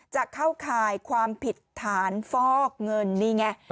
จะเข้าข่ายความผิดฐานฟอกเงินนี่ไง